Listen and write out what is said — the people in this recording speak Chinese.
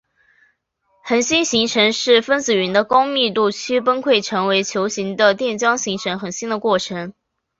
恒星形成是分子云的高密度区崩溃成为球形的电浆形成恒星的过程。